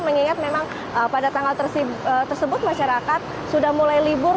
mengingat memang pada tanggal tersebut masyarakat sudah mulai libur